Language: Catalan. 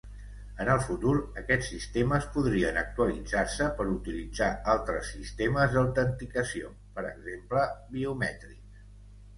En el futur, aquests sistemes podrien actualitzar-se per utilitzar altres sistemes d'autenticació, per exemple biomètrics.